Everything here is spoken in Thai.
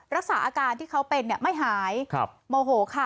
รักษาอาการที่เขาเป็นเนี้ยไม่หายครับโมโหค่ะ